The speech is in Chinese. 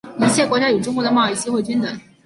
一切国家与中国的贸易机会均等。